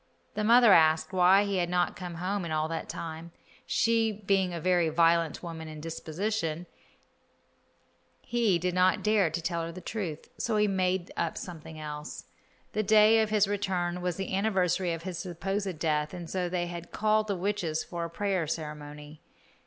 The mother asked why he had not come home in all that time. She being a very violent woman in disposition, he did not dare to tell her the truth, so he made up something else. The day of his return was the anniversary of his supposed death, and so they had called the witches for a prayer ceremony.